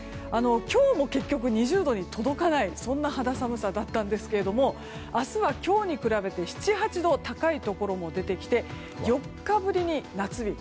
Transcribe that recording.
今日も結局２０度に届かないそんな肌寒さだったんですが明日は今日に比べて７８度高いところも出てきて４日ぶりに夏日。